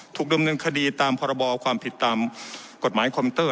ถูกดำเนินคดีตามพรบความผิดตามกฎหมายคอมเตอร์